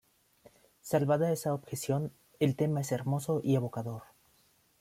Salvada esa objeción, el tema es hermoso y evocador.